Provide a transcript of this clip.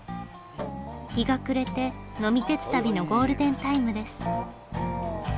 日が暮れて呑み鉄旅のゴールデンタイムです。